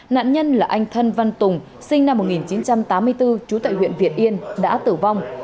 nạn nhân là anh thân văn tùng sinh năm một nghìn chín trăm tám mươi bốn trú tại huyện việt yên đã tử vong